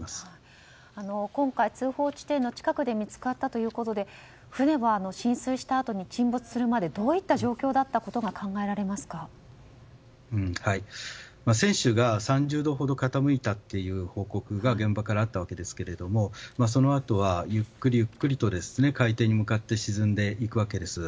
今回、通報地点の近くで見つかったということで船は浸水したあとに沈没するまでどういった状況だったことが船首が３０度ほど傾いたという報告が現場からあったわけですがそのあとは、ゆっくりと海底に向かって沈んでいくわけです。